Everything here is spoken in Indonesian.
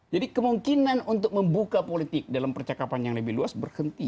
jadi kemungkinan untuk membuka politik dalam percakapan yang lebih luas berhenti